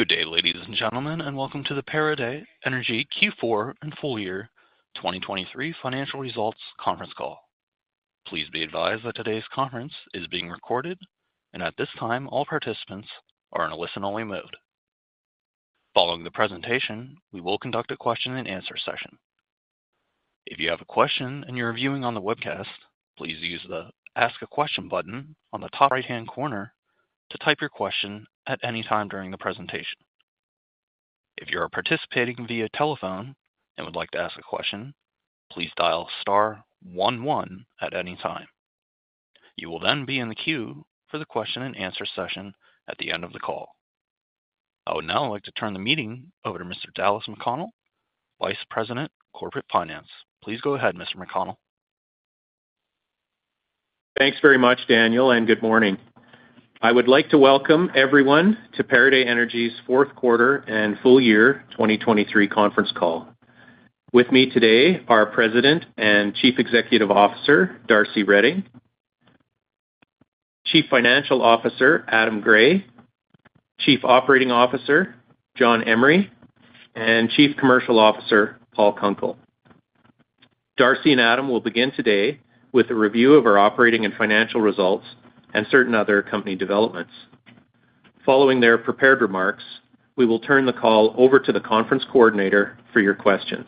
Good day, ladies and gentlemen, and welcome to the Pieridae Energy Q4 and Full Year 2023 Financial Results Conference Call. Please be advised that today's conference is being recorded, and at this time all participants are in a listen-only mode. Following the presentation, we will conduct a question-and-answer session. If you have a question and you're viewing on the webcast, please use the "Ask a Question" button on the top right-hand corner to type your question at any time during the presentation. If you are participating via telephone and would like to ask a question, please dial *11 at any time. You will then be in the queue for the question-and-answer session at the end of the call. I would now like to turn the meeting over to Mr. Dallas McConnell, Vice President, Corporate Finance. Please go ahead, Mr. McConnell. Thanks very much, Daniel, and good morning. I would like to welcome everyone to Pieridae Energy's fourth quarter and full year 2023 conference call. With me today are President and Chief Executive Officer Darcy Reding, Chief Financial Officer Adam Gray, Chief Operating Officer John Emery, and Chief Commercial Officer Paul Kunkel. Darcy and Adam will begin today with a review of our operating and financial results and certain other company developments. Following their prepared remarks, we will turn the call over to the conference coordinator for your questions.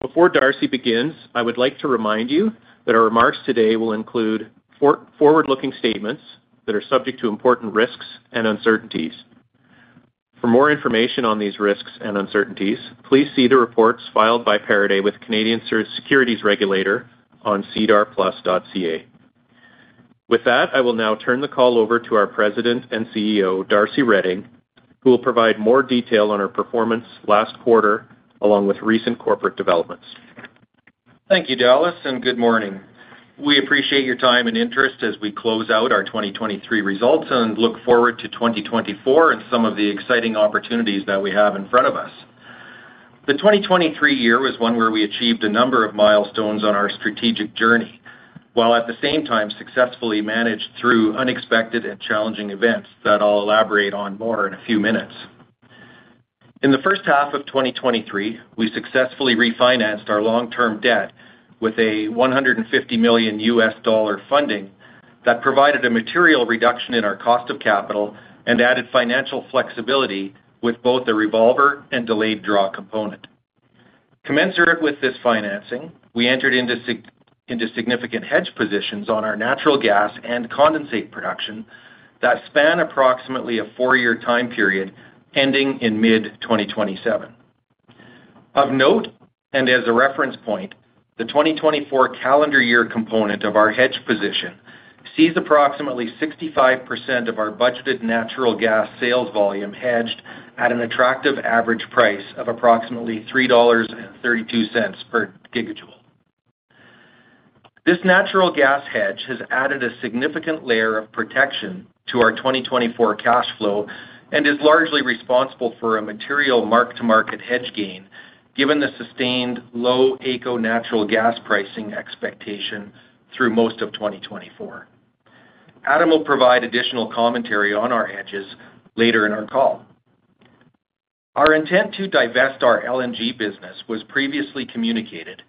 Before Darcy begins, I would like to remind you that our remarks today will include forward-looking statements that are subject to important risks and uncertainties. For more information on these risks and uncertainties, please see the reports filed by Pieridae Energy with Canadian Securities Administrators on sedarplus.ca. With that, I will now turn the call over to our President and CEO Darcy Reding, who will provide more detail on our performance last quarter along with recent corporate developments. Thank you, Dallas, and good morning. We appreciate your time and interest as we close out our 2023 results and look forward to 2024 and some of the exciting opportunities that we have in front of us. The 2023 year was one where we achieved a number of milestones on our strategic journey while at the same time successfully managed through unexpected and challenging events that I'll elaborate on more in a few minutes. In the first half of 2023, we successfully refinanced our long-term debt with a $150 million funding that provided a material reduction in our cost of capital and added financial flexibility with both a revolver and delayed draw component. Commensurate with this financing, we entered into significant hedge positions on our natural gas and condensate production that span approximately a four-year time period ending in mid-2027. Of note, and as a reference point, the 2024 calendar year component of our hedge position sees approximately 65% of our budgeted natural gas sales volume hedged at an attractive average price of approximately 3.32 dollars per gigajoule. This natural gas hedge has added a significant layer of protection to our 2024 cash flow and is largely responsible for a material mark-to-market hedge gain given the sustained low AECO natural gas pricing expectation through most of 2024. Adam will provide additional commentary on our hedges later in our call. Our intent to divest our LNG business was previously communicated,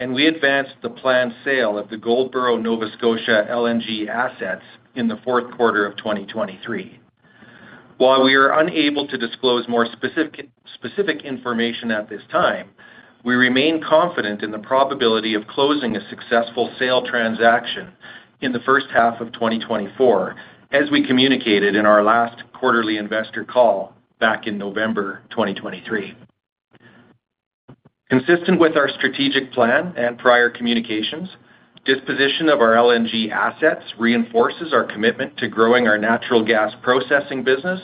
and we advanced the planned sale of the Goldboro, Nova Scotia LNG, assets in the fourth quarter of 2023. While we are unable to disclose more specific information at this time, we remain confident in the probability of closing a successful sale transaction in the first half of 2024, as we communicated in our last quarterly investor call back in November 2023. Consistent with our strategic plan and prior communications, disposition of our LNG assets reinforces our commitment to growing our natural gas processing business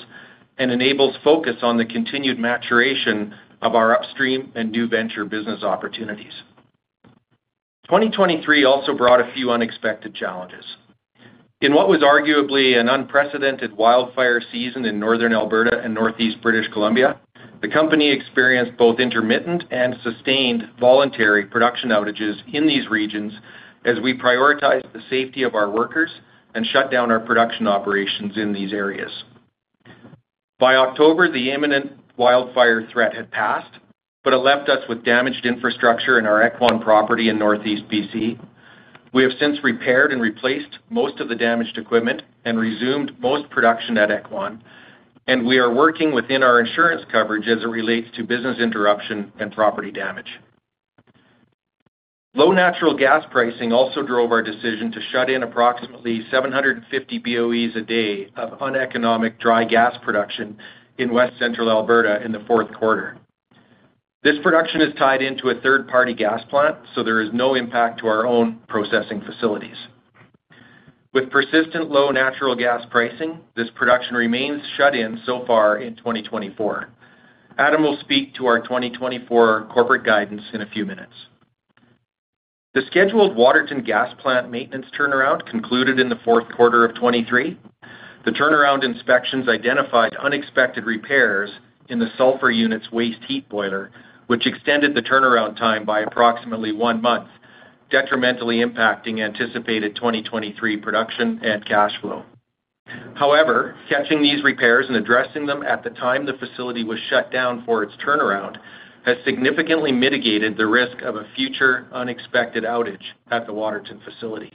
and enables focus on the continued maturation of our upstream and new venture business opportunities. 2023 also brought a few unexpected challenges. In what was arguably an unprecedented wildfire season in northern Alberta and Northeast British Columbia, the company experienced both intermittent and sustained voluntary production outages in these regions as we prioritized the safety of our workers and shut down our production operations in these areas. By October, the imminent wildfire threat had passed, but it left us with damaged infrastructure in our Ekwan property in Northeast BC. We have since repaired and replaced most of the damaged equipment and resumed most production at Ekwan, and we are working within our insurance coverage as it relates to business interruption and property damage. Low natural gas pricing also drove our decision to shut in approximately 750 BOE a day of uneconomic dry gas production in west central Alberta in the fourth quarter. This production is tied into a third-party gas plant, so there is no impact to our own processing facilities. With persistent low natural gas pricing, this production remains shut-in so far in 2024. Adam will speak to our 2024 corporate guidance in a few minutes. The scheduled Waterton gas plant maintenance turnaround concluded in the fourth quarter of 2023. The turnaround inspections identified unexpected repairs in the sulfur unit's waste heat boiler, which extended the turnaround time by approximately one month, detrimentally impacting anticipated 2023 production and cash flow. However, catching these repairs and addressing them at the time the facility was shut down for its turnaround has significantly mitigated the risk of a future unexpected outage at the Waterton facility.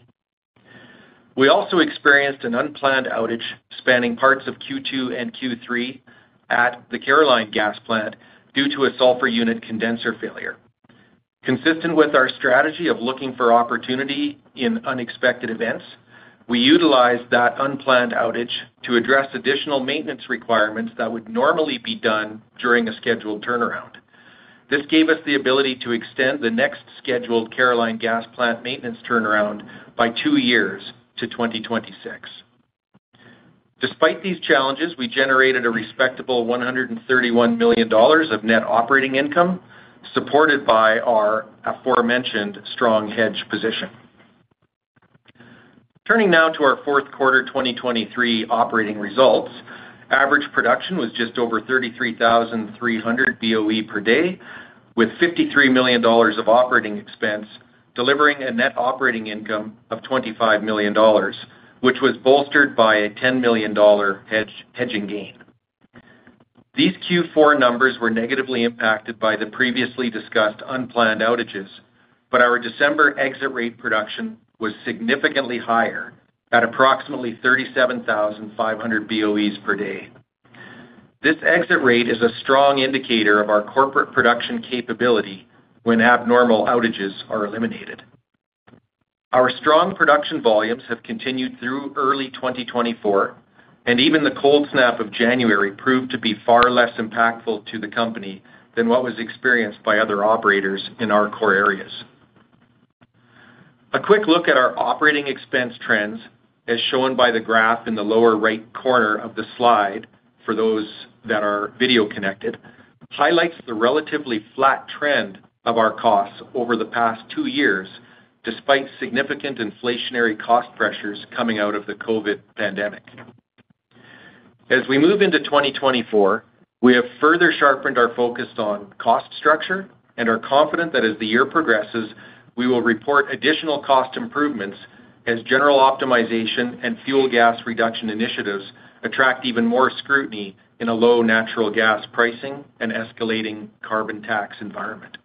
We also experienced an unplanned outage spanning parts of Q2 and Q3 at the Caroline gas plant due to a sulfur unit condenser failure. Consistent with our strategy of looking for opportunity in unexpected events, we utilized that unplanned outage to address additional maintenance requirements that would normally be done during a scheduled turnaround. This gave us the ability to extend the next scheduled Caroline gas plant maintenance turnaround by two years to 2026. Despite these challenges, we generated a respectable 131 million dollars of net operating income supported by our aforementioned strong hedge position. Turning now to our fourth quarter 2023 operating results, average production was just over 33,300 BOE per day with 53 million dollars of operating expense, delivering a net operating income of 25 million dollars, which was bolstered by a 10 million dollar hedging gain. These Q4 numbers were negatively impacted by the previously discussed unplanned outages, but our December exit rate production was significantly higher at approximately 37,500 BOEs per day. This exit rate is a strong indicator of our corporate production capability when abnormal outages are eliminated. Our strong production volumes have continued through early 2024, and even the cold snap of January proved to be far less impactful to the company than what was experienced by other operators in our core areas. A quick look at our operating expense trends, as shown by the graph in the lower right corner of the slide for those that are video connected, highlights the relatively flat trend of our costs over the past two years despite significant inflationary cost pressures coming out of the COVID pandemic. As we move into 2024, we have further sharpened our focus on cost structure and are confident that as the year progresses, we will report additional cost improvements as general optimization and fuel gas reduction initiatives attract even more scrutiny in a low natural gas pricing and escalating carbon tax environment.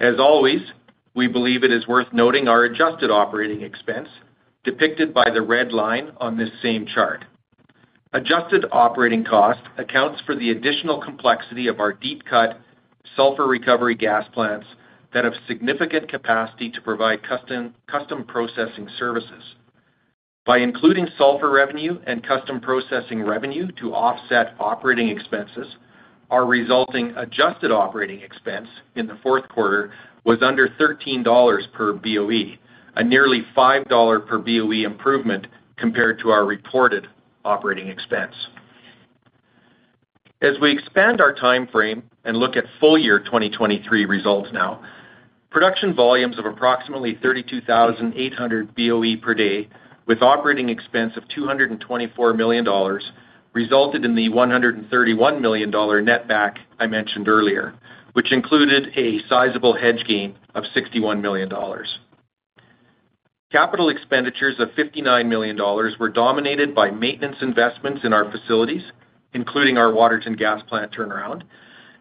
As always, we believe it is worth noting our adjusted operating expense depicted by the red line on this same chart. Adjusted operating cost accounts for the additional complexity of our deep-cut sulfur recovery gas plants that have significant capacity to provide custom processing services. By including sulfur revenue and custom processing revenue to offset operating expenses, our resulting adjusted operating expense in the fourth quarter was under 13 dollars per BOE, a nearly 5 dollar per BOE improvement compared to our reported operating expense. As we expand our time frame and look at full-year 2023 results now, production volumes of approximately 32,800 BOE per day with operating expense of 224 million dollars resulted in the 131 million dollar netback I mentioned earlier, which included a sizable hedge gain of 61 million dollars. Capital expenditures of 59 million dollars were dominated by maintenance investments in our facilities, including our Waterton gas plant turnaround,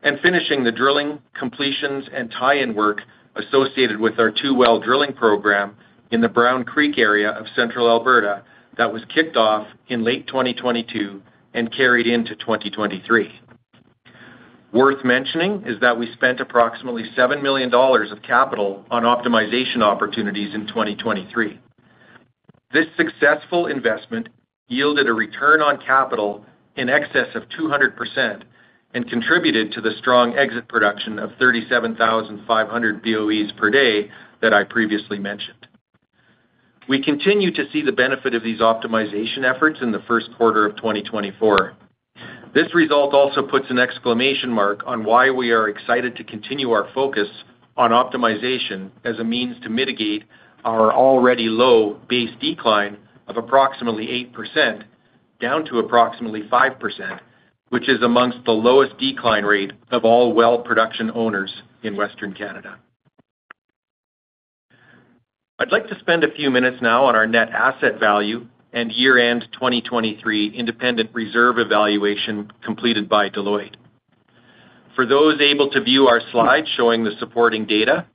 and finishing the drilling, completions, and tie-in work associated with our two-well drilling program in the Brown Creek area of Central Alberta that was kicked off in late 2022 and carried into 2023. Worth mentioning is that we spent approximately 7 million dollars of capital on optimization opportunities in 2023. This successful investment yielded a return on capital in excess of 200% and contributed to the strong exit production of 37,500 BOEs per day that I previously mentioned. We continue to see the benefit of these optimization efforts in the first quarter of 2024. This result also puts an exclamation mark on why we are excited to continue our focus on optimization as a means to mitigate our already low base decline of approximately 8% down to approximately 5%, which is among the lowest decline rates of all well production owners in Western Canada. I'd like to spend a few minutes now on our net asset value and year-end 2023 independent reserve evaluation completed by Deloitte. For those able to view our slide showing the supporting data,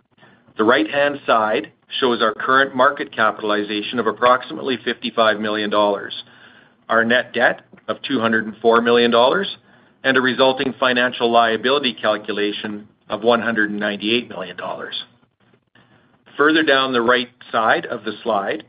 the right-hand side shows our current market capitalization of approximately 55 million dollars, our net debt of 204 million dollars, and a resulting financial liability calculation of 198 million dollars. Further down the right side of the slide,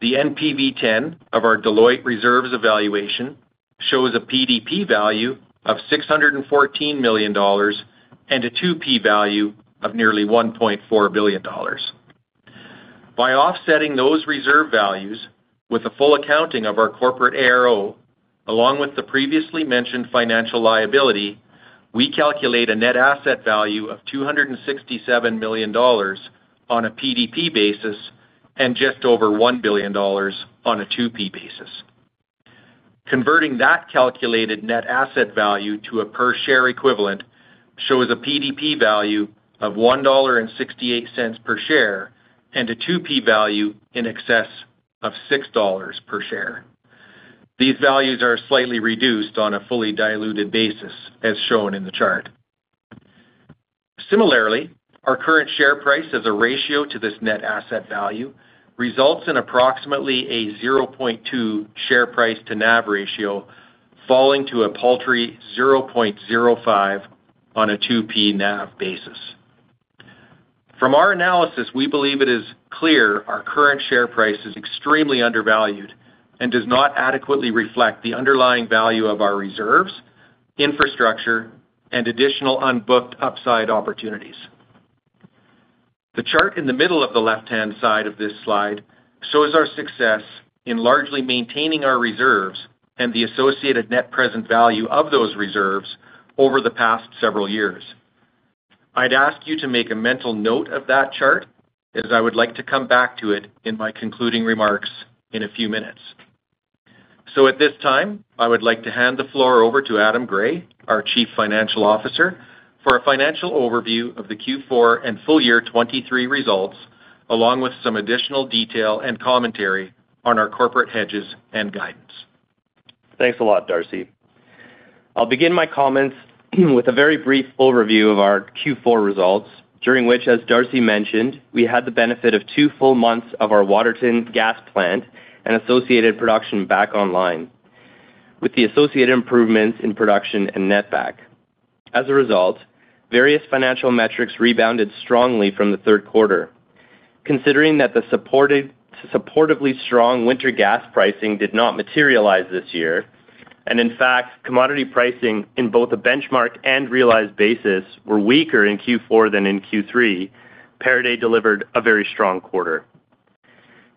the NPV10 of our Deloitte reserves evaluation shows a PDP value of 614 million dollars and a 2P value of nearly 1.4 billion dollars. By offsetting those reserve values with the full accounting of our corporate ARO along with the previously mentioned financial liability, we calculate a net asset value of 267 million dollars on a PDP basis and just over 1 billion dollars on a 2P basis. Converting that calculated net asset value to a per share equivalent shows a PDP value of 1.68 dollar per share and a 2P value in excess of 6 dollars per share. These values are slightly reduced on a fully diluted basis, as shown in the chart. Similarly, our current share price as a ratio to this net asset value results in approximately a 0.2 share price to NAV ratio falling to a paltry 0.05 on a 2P NAV basis. From our analysis, we believe it is clear our current share price is extremely undervalued and does not adequately reflect the underlying value of our reserves, infrastructure, and additional unbooked upside opportunities. The chart in the middle of the left-hand side of this slide shows our success in largely maintaining our reserves and the associated net present value of those reserves over the past several years. I'd ask you to make a mental note of that chart, as I would like to come back to it in my concluding remarks in a few minutes. So at this time, I would like to hand the floor over to Adam Gray, our Chief Financial Officer, for a financial overview of the Q4 and full-year 2023 results along with some additional detail and commentary on our corporate hedges and guidance. Thanks a lot, Darcy. I'll begin my comments with a very brief overview of our Q4 results, during which, as Darcy mentioned, we had the benefit of two full months of our Waterton gas plant and associated production back online, with the associated improvements in production and netback. As a result, various financial metrics rebounded strongly from the third quarter. Considering that the supportively strong winter gas pricing did not materialize this year and, in fact, commodity pricing in both a benchmark and realized basis were weaker in Q4 than in Q3, Pieridae delivered a very strong quarter.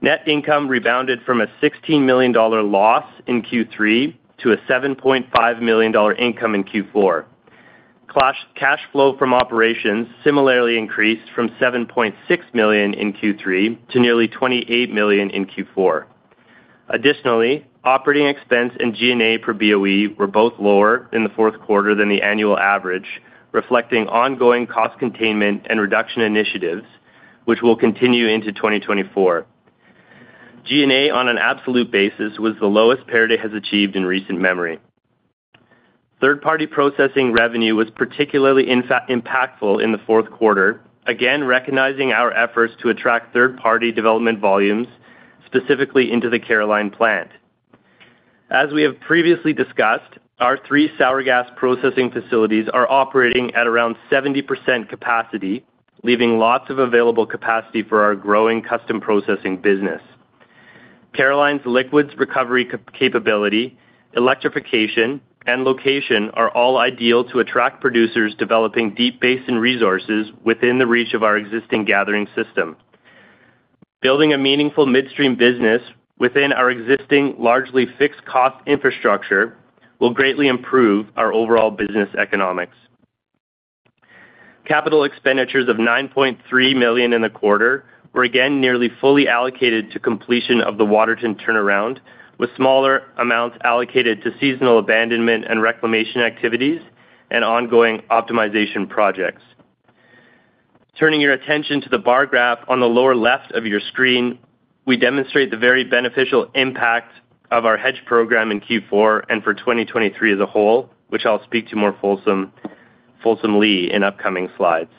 Net income rebounded from a 16 million dollar loss in Q3 to a 7.5 million dollar income in Q4. Cash flow from operations similarly increased from 7.6 million in Q3 to nearly 28 million in Q4. Additionally, operating expense and G&A per BOE were both lower in the fourth quarter than the annual average, reflecting ongoing cost containment and reduction initiatives, which will continue into 2024. G&A on an absolute basis was the lowest Pieridae has achieved in recent memory. Third-party processing revenue was particularly impactful in the fourth quarter, again recognizing our efforts to attract third-party development volumes specifically into the Caroline plant. As we have previously discussed, our three sour gas processing facilities are operating at around 70% capacity, leaving lots of available capacity for our growing custom processing business. Caroline's liquids recovery capability, electrification, and location are all ideal to attract producers developing Deep Basin resources within the reach of our existing gathering system. Building a meaningful midstream business within our existing largely fixed cost infrastructure will greatly improve our overall business economics. Capital expenditures of 9.3 million in the quarter were again nearly fully allocated to completion of the Waterton turnaround, with smaller amounts allocated to seasonal abandonment and reclamation activities and ongoing optimization projects. Turning your attention to the bar graph on the lower left of your screen, we demonstrate the very beneficial impact of our hedge program in Q4 and for 2023 as a whole, which I'll speak to more fulsomely in upcoming slides.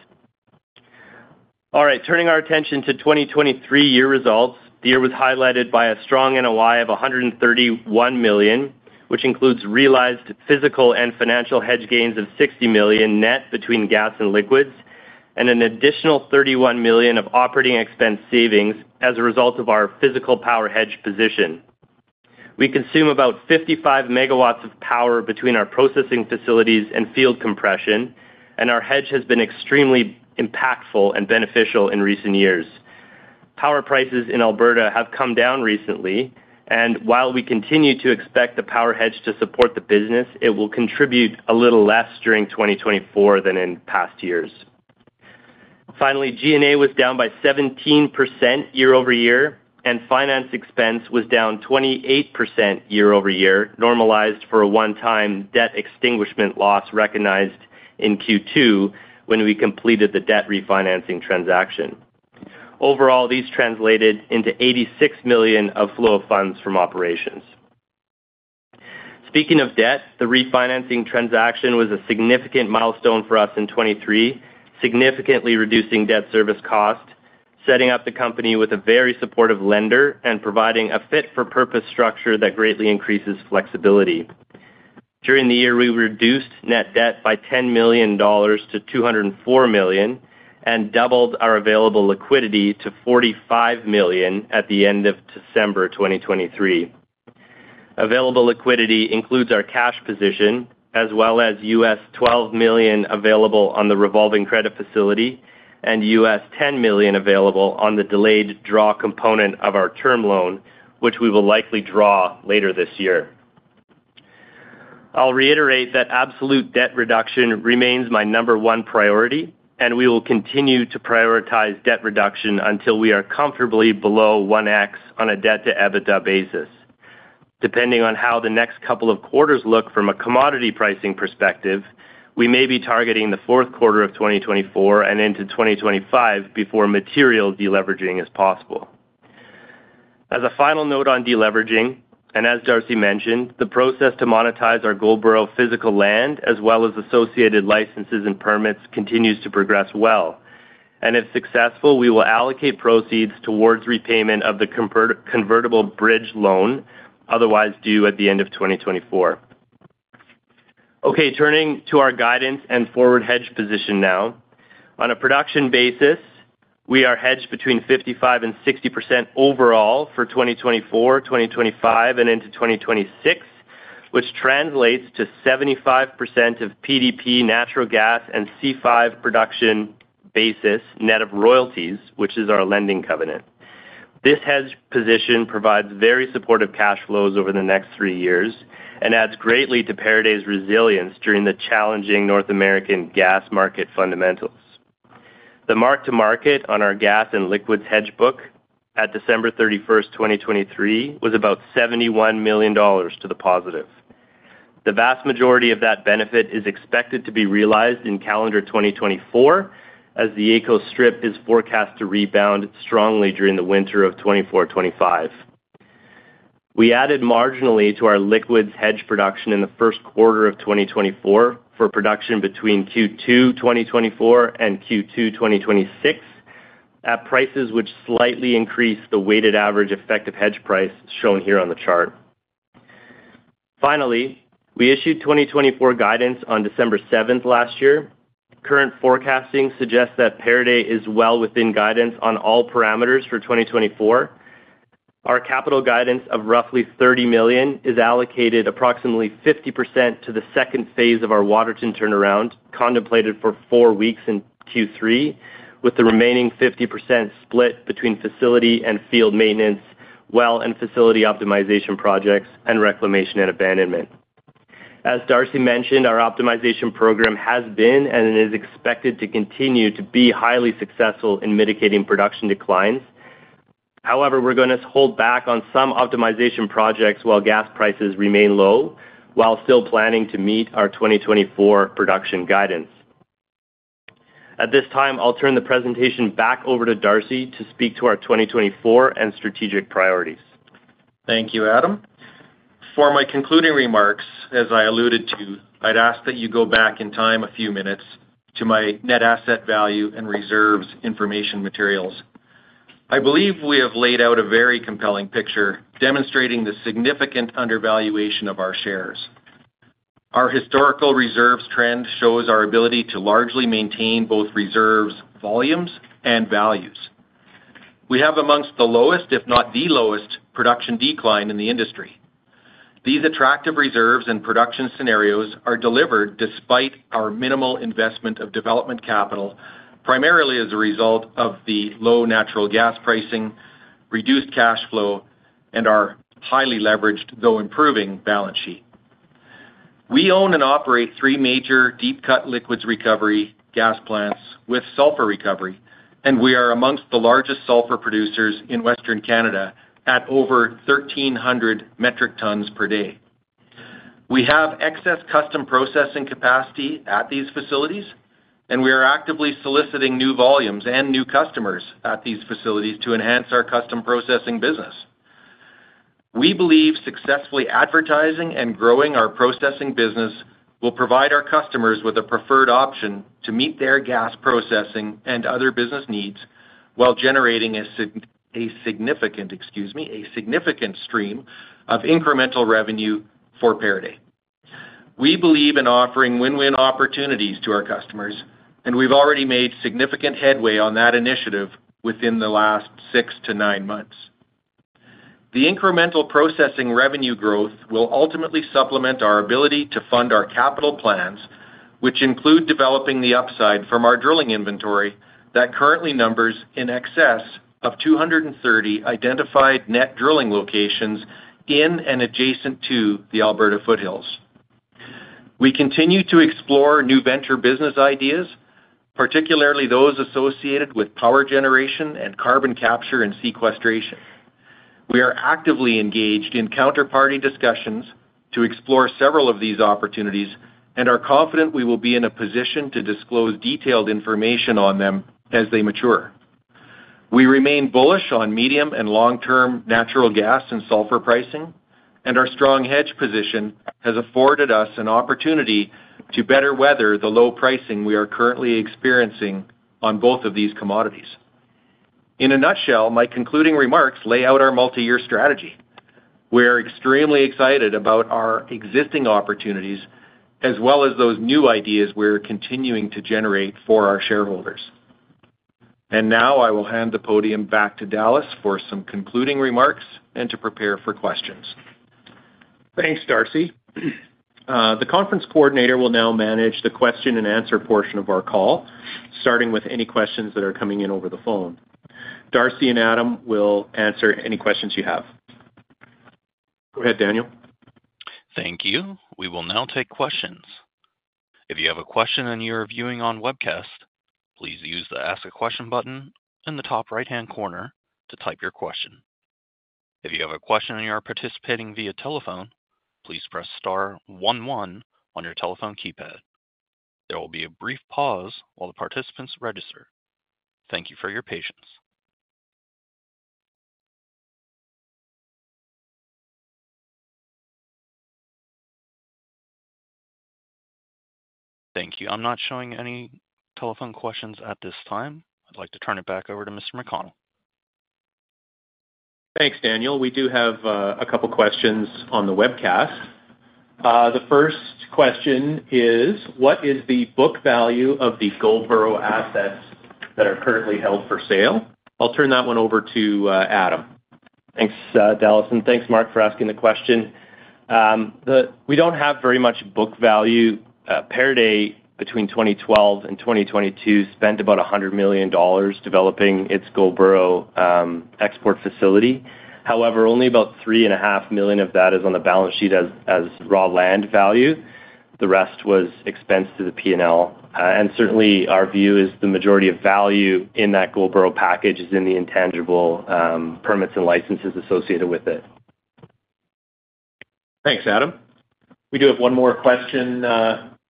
All right, turning our attention to 2023 year results, the year was highlighted by a strong NOI of 131 million, which includes realized physical and financial hedge gains of 60 million net between gas and liquids and an additional 31 million of operating expense savings as a result of our physical power hedge position. We consume about 55 MW of power between our processing facilities and field compression, and our hedge has been extremely impactful and beneficial in recent years. Power prices in Alberta have come down recently, and while we continue to expect the power hedge to support the business, it will contribute a little less during 2024 than in past years. Finally, G&A was down by 17% year-over-year, and finance expense was down 28% year-over-year, normalized for a one-time debt extinguishment loss recognized in Q2 when we completed the debt refinancing transaction. Overall, these translated into 86 million of flow of funds from operations. Speaking of debt, the refinancing transaction was a significant milestone for us in 2023, significantly reducing debt service cost, setting up the company with a very supportive lender, and providing a fit-for-purpose structure that greatly increases flexibility. During the year, we reduced net debt by 10 million dollars to 204 million and doubled our available liquidity to 45 million at the end of December 2023. Available liquidity includes our cash position as well as $12 million available on the revolving credit facility and $10 million available on the delayed draw component of our term loan, which we will likely draw later this year. I'll reiterate that absolute debt reduction remains my number one priority, and we will continue to prioritize debt reduction until we are comfortably below 1x on a debt-to-EBITDA basis. Depending on how the next couple of quarters look from a commodity pricing perspective, we may be targeting the fourth quarter of 2024 and into 2025 before material deleveraging is possible. As a final note on deleveraging, and as Darcy mentioned, the process to monetize our Goldboro physical land as well as associated licenses and permits, continues to progress well. And if successful, we will allocate proceeds towards repayment of the convertible bridge loan otherwise due at the end of 2024. Okay, turning to our guidance and forward hedge position now. On a production basis, we are hedged between 55%-60% overall for 2024, 2025, and into 2026, which translates to 75% of PDP natural gas and C5 production basis net of royalties, which is our lending covenant. This hedge position provides very supportive cash flows over the next three years and adds greatly to Pieridae's resilience during the challenging North American gas market fundamentals. The mark-to-market on our gas and liquids hedge book at December 31st, 2023, was about 71 million dollars to the positive. The vast majority of that benefit is expected to be realized in calendar 2024 as the AECO strip is forecast to rebound strongly during the winter of 2024-2025. We added marginally to our liquids hedge production in the first quarter of 2024 for production between Q2 2024 and Q2 2026 at prices which slightly increase the weighted average effective hedge price shown here on the chart. Finally, we issued 2024 guidance on December 7th last year. Current forecasting suggests that Pieridae is well within guidance on all parameters for 2024. Our capital guidance of roughly 30 million is allocated approximately 50% to the second phase of our Waterton turnaround contemplated for four weeks in Q3, with the remaining 50% split between facility and field maintenance, well and facility optimization projects, and reclamation and abandonment. As Darcy mentioned, our optimization program has been and is expected to continue to be highly successful in mitigating production declines. However, we're going to hold back on some optimization projects while gas prices remain low while still planning to meet our 2024 production guidance. At this time, I'll turn the presentation back over to Darcy to speak to our 2024 and strategic priorities. Thank you, Adam. For my concluding remarks, as I alluded to, I'd ask that you go back in time a few minutes to my net asset value and reserves information materials. I believe we have laid out a very compelling picture demonstrating the significant undervaluation of our shares. Our historical reserves trend shows our ability to largely maintain both reserves volumes and values. We have among the lowest, if not the lowest, production decline in the industry. These attractive reserves and production scenarios are delivered despite our minimal investment of development capital, primarily as a result of the low natural gas pricing, reduced cash flow, and our highly leveraged, though improving, balance sheet. We own and operate three major deep-cut liquids recovery gas plants with sulfur recovery, and we are among the largest sulfur producers in Western Canada at over 1,300 metric tons per day. We have excess custom processing capacity at these facilities, and we are actively soliciting new volumes and new customers at these facilities to enhance our custom processing business. We believe successfully advertising and growing our processing business will provide our customers with a preferred option to meet their gas processing and other business needs while generating a significant stream of incremental revenue for Pieridae Energy. We believe in offering win-win opportunities to our customers, and we've already made significant headway on that initiative within the last 6-9 months. The incremental processing revenue growth will ultimately supplement our ability to fund our capital plans, which include developing the upside from our drilling inventory that currently numbers in excess of 230 identified net drilling locations in and adjacent to the Alberta foothills. We continue to explore new venture business ideas, particularly those associated with power generation and carbon capture and sequestration. We are actively engaged in counterparty discussions to explore several of these opportunities and are confident we will be in a position to disclose detailed information on them as they mature. We remain bullish on medium and long-term natural gas and sulfur pricing, and our strong hedge position has afforded us an opportunity to better weather the low pricing we are currently experiencing on both of these commodities. In a nutshell, my concluding remarks lay out our multi-year strategy. We are extremely excited about our existing opportunities as well as those new ideas we're continuing to generate for our shareholders. And now I will hand the podium back to Dallas for some concluding remarks and to prepare for questions. Thanks, Darcy. The conference coordinator will now manage the question and answer portion of our call, starting with any questions that are coming in over the phone. Darcy and Adam will answer any questions you have. Go ahead, Daniel. Thank you. We will now take questions. If you have a question and you are viewing on Webcast, please use the Ask a Question button in the top right-hand corner to type your question. If you have a question and you are participating via telephone, please press star 11 on your telephone keypad. There will be a brief pause while the participants register. Thank you for your patience. Thank you. I'm not showing any telephone questions at this time. I'd like to turn it back over to Mr. McConnell. Thanks, Daniel. We do have a couple of questions on the webcast. The first question is, what is the book value of the Goldboro assets that are currently held for sale? I'll turn that one over to Adam. Thanks, Dallas. And thanks, Mark, for asking the question. We don't have very much book value. Pieridae, between 2012 and 2022, spent about 100 million dollars developing its Goldboro export facility. However, only about 3.5 million of that is on the balance sheet as raw land value. The rest was expensed to the P&L. And certainly, our view is the majority of value in that Goldboro package is in the intangible permits and licenses associated with it. Thanks, Adam. We do have one more question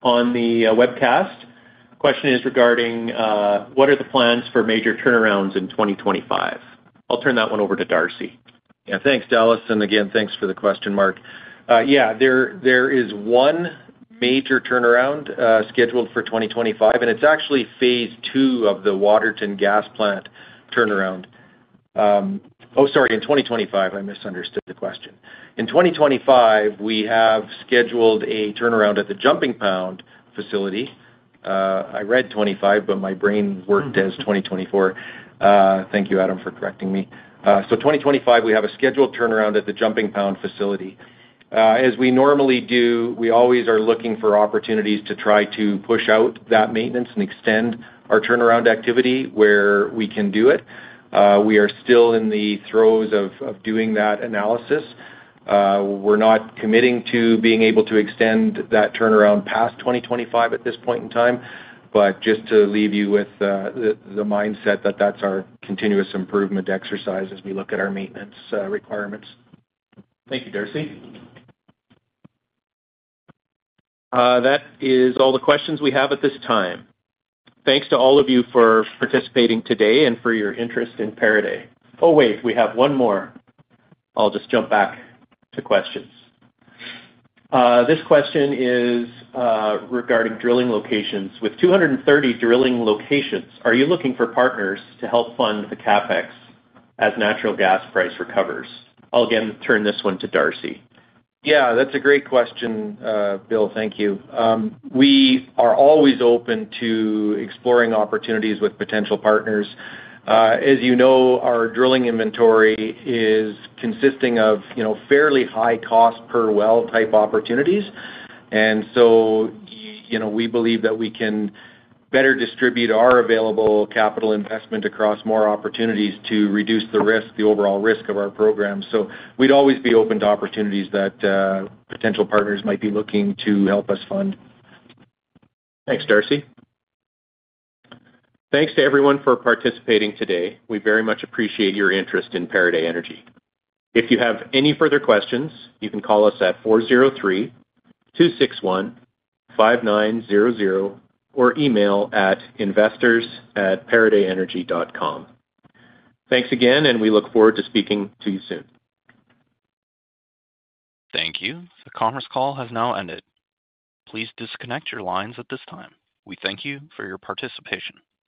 on the Webcast. The question is regarding what are the plans for major turnarounds in 2025? I'll turn that one over to Darcy. Yeah, thanks, Dallas. And again, thanks for the question, Mark. Yeah, there is one major turnaround scheduled for 2025, and it's actually phase II of the Waterton gas plant turnaround. Oh, sorry, in 2025, I misunderstood the question. In 2025, we have scheduled a turnaround at the Jumping Pound facility. I read 2025, but my brain worked as 2024. Thank you, Adam, for correcting me. So 2025, we have a scheduled turnaround at the Jumping Pound facility. As we normally do, we always are looking for opportunities to try to push out that maintenance and extend our turnaround activity where we can do it. We are still in the throes of doing that analysis. We're not committing to being able to extend that turnaround past 2025 at this point in time, but just to leave you with the mindset that that's our continuous improvement exercise as we look at our maintenance requirements. Thank you, Darcy. That is all the questions we have at this time. Thanks to all of you for participating today and for your interest in Pieridae. Oh, wait, we have one more. I'll just jump back to questions. This question is regarding drilling locations. With 230 drilling locations, are you looking for partners to help fund the CapEx as natural gas price recovers? I'll again turn this one to Darcy. Yeah, that's a great question, Bill. Thank you. We are always open to exploring opportunities with potential partners. As you know, our drilling inventory is consisting of fairly high-cost-per-well type opportunities. And so we believe that we can better distribute our available capital investment across more opportunities to reduce the overall risk of our program. So we'd always be open to opportunities that potential partners might be looking to help us fund. Thanks, Darcy. Thanks to everyone for participating today. We very much appreciate your interest in Pieridae Energy. If you have any further questions, you can call us at 403-261-5900 or email at investors@pieridaeenergy.com. Thanks again, and we look forward to speaking to you soon. Thank you. The conference call has now ended. Please disconnect your lines at this time. We thank you for your participation.